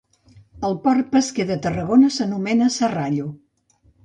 El port pesquer de Tarragona s'anomena Serrallo.